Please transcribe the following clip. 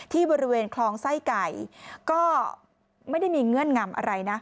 ที่บริเวณคลองไส้ไก่ก็ไม่ได้มีเงื่อนงำอะไรนะ